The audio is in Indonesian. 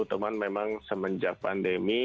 teman memang semenjak pandemi